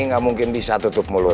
denny gak mungkin bisa tutup mulut